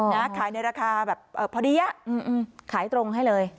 นะขายในราคาแบบเอ่อพอดีอ่ะอืมอืมขายตรงให้เลย